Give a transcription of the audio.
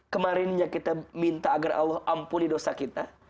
kemarinnya kita minta agar allah ampuni dosa kita